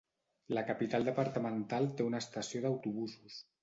La capital departamental té una estació d'autobusos.